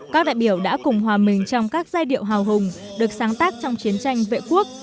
các đại biểu đã cùng hòa mình trong các giai điệu hào hùng được sáng tác trong chiến tranh vệ quốc